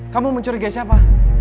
kamu menculiknya siapa